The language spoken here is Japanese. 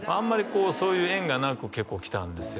こうそういう縁がなく結構きたんですよね